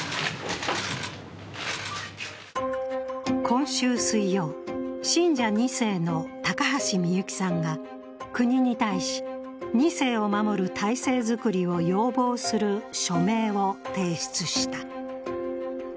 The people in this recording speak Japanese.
今週水曜、信者２世の高橋みゆきさんが国に対し、２世を守る体制づくりを要望する署名を提出した。